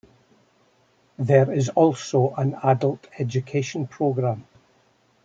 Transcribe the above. There is also an adult education program.